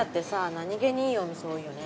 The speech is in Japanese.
何げにいいお店多いよね。